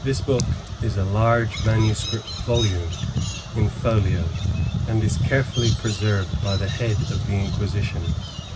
This book is a large manuscript volume, in folio, and is carefully preserved by the head of the Inquisition.